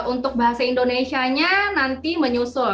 untuk bahasa indonesia nya nanti menyusul